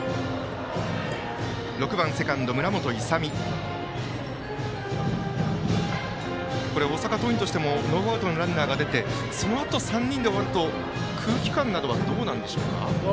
そして６番セカンド、村本勇海。大阪桐蔭としてもノーアウトのランナーが出てそのあと３人で終わると空気感などはどうでしょうか。